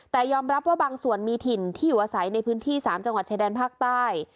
แต่ยอมรับว่าบางส่วนมีถิ่นที่อยู่อาศัยในพื้นที่๓จังหวัดชายแดนภาคใต้